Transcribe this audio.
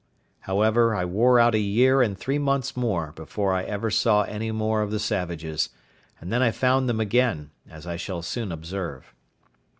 However, I wore out a year and three months more before I ever saw any more of the savages, and then I found them again, as I shall soon observe.